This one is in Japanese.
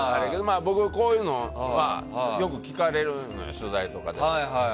僕、こういうのよく聞かれるのよ取材とかで。